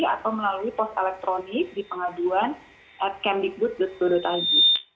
atau melalui post elektronik di pengaduan at kemdiku go id